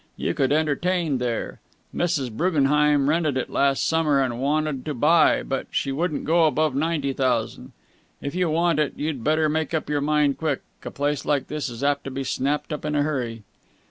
You could entertain there. Mrs. Bruggenheim rented it last summer, and wanted to buy, but she wouldn't go above ninety thousand. If you want it, you'd better make up your mind quick. A place like this is apt to be snapped up in a hurry."